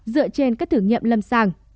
dựa trên các thử nghiệm lâm sàng